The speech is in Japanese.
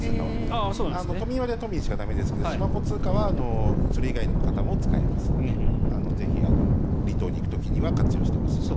都民割は都民しか駄目ですがしまぽ通貨はそれ以外の方も使えますのでぜひ離島に行く時には活用してほしいな。